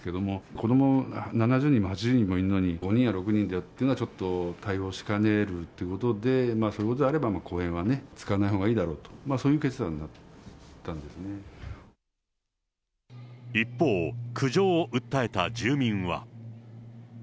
子ども、７０人も８０人もいるのに、５人や６人でっていうのは、ちょっと対応しかねるということで、そういうことであれば、公園は使わないほうがいいだろうと、そういう決断になったんです一方、苦情を訴えた住民は。